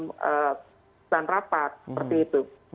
dalam rapat seperti itu